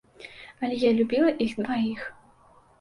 Але я любіла іх дваіх.